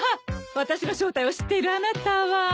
私の正体を知っているあなたは。